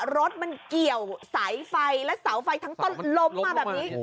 รถมันเกี่ยวสายไฟและเสาไฟทั้งต้นล้มมาแบบนี้